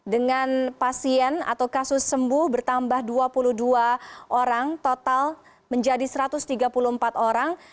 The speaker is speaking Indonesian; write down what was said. dengan pasien atau kasus sembuh bertambah dua puluh dua orang total menjadi satu ratus tiga puluh empat orang